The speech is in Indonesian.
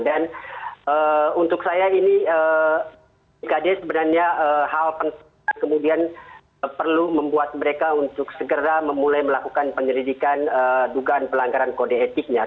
dan untuk saya ini mkd sebenarnya hal kemudian perlu membuat mereka untuk segera memulai melakukan penyelidikan dugaan pelanggaran kode etiknya